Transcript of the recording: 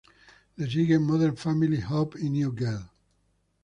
Le siguen "Modern Family", "Hope" y "New Girl".